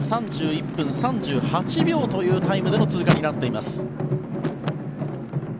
３１分３８秒というタイムでの通過になっています。